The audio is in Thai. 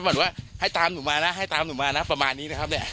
เหมือนว่าให้ตามหนูมานะให้ตามหนูมานะประมาณนี้นะครับเนี่ย